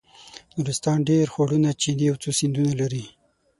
نورستان ډېر خوړونه چینې او څو سیندونه لري.